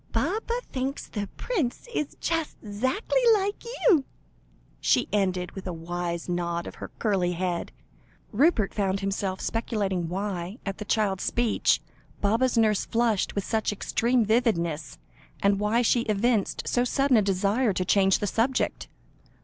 Baba thinks the prince is just 'zackly like you," she ended, with a wise nod of her curly head. Rupert found himself speculating why, at the child's speech, Baba's nurse flushed with such extreme vividness, and why she evinced so sudden a desire to change the subject.